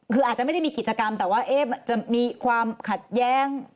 คืออาจจะไม่ได้มีกิจกรรมแต่ว่าจะมีความขัดแย้ง